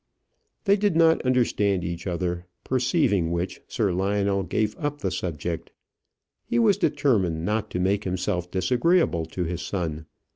They did not understand each other; perceiving which, Sir Lionel gave up the subject. He was determined not to make himself disagreeable to his son.